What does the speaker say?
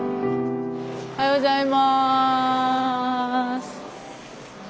おはようございます。